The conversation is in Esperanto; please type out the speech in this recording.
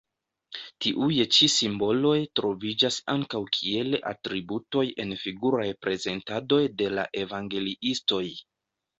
Tiuj ĉi simboloj troviĝas ankaŭ kiel atributoj en figuraj prezentadoj de la evangeliistoj.